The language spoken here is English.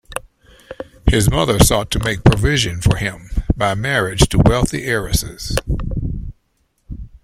His mother sought to make provision for him by marriage to wealthy heiresses.